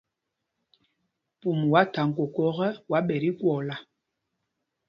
Pûm wá thaŋ kokō ekɛ, wá ɓɛ tí kwɔɔla.